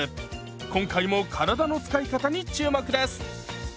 今回も体の使い方に注目です！